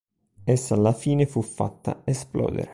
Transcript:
Essa alla fine fu fatta esplodere.